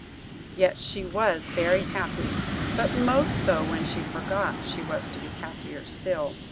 Yet she was very happy; but most so when she forgot she was to be happier still.